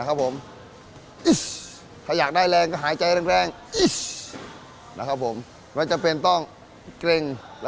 bahaya ini karena kampenya bahaya makel nutrahnya tuh animal répot turat juga